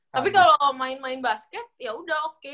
tapi kalau main main basket ya udah oke